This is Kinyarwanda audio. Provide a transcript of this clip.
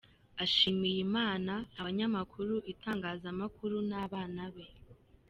Ashimiye Imana, abanyamakuru, itangazamakuru n’abaana be.